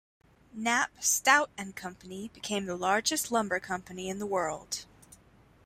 Knapp, Stout and Company became the largest lumber company in the world.